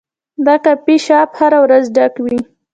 دا کافي شاپ هره ورځ ډک وي.